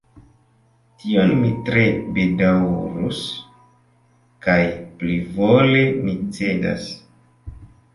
Tion mi tre bedaŭrus, kaj plivole mi cedas.